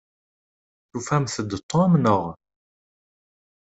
Tufamt-d Tom, naɣ?